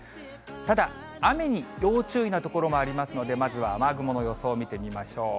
ただ、雨に要注意な所もありますので、まずは雨雲の予想を見てみましょう。